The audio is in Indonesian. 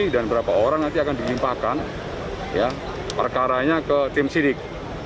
dan berapa orang nanti akan dilimpahkan perkaranya ke tim sidik